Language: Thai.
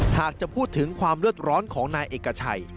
หากจะพูดถึงความเลือดร้อนของนายเอกชัย